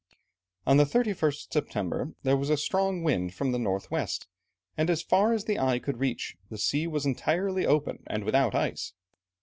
On the 31st September, there was a strong wind from the north west, and as far as the eye could reach, the sea was entirely open and without ice.